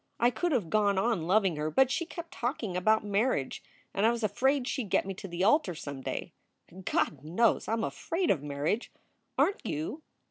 I could have gone on loving her, but she kept talking about marriage and I was afraid she d get me to the altar some day. God knows I m afraid of marriage. Aren t you?